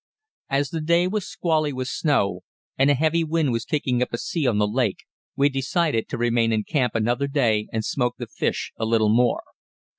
As the day was squally with snow, and a heavy wind was kicking up a sea on the lake, we decided to remain in camp another day and smoke the fish a little more.